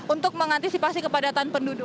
untuk mengantisipasi kepadatan penduduk